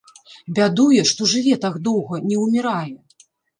Бядуе, што жыве так доўга, не ўмірае.